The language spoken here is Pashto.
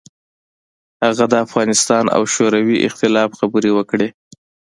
هغه د افغانستان او شوروي اختلاف خبرې وکړې.